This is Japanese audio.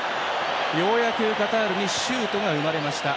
ようやくカタールにシュートが生まれました。